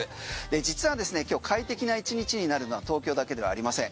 実はですね今日快適な１日になるのは東京だけではありません。